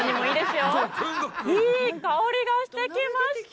いい香りがしてきました。